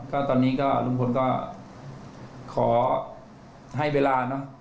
ก็ตอนนี้ก็ลุงพลก็ขอให้เวลาเนอะ